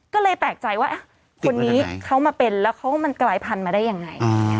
ก็เลยแปลกใจว่าคนนี้เขามาเป็นแล้วเขามันกลายพันธุ์มาได้ยังไง